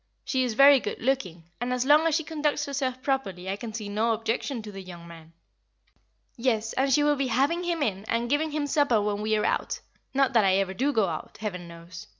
She is very good looking, and as long as she conducts herself properly I can see no objection to the young man." "Yes, and she will be having him in, and giving him supper when we are out not that I ever do go out, Heaven knows!